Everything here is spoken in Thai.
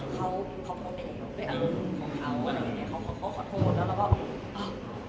เค้าโทษไปแล้วแล้วเราก็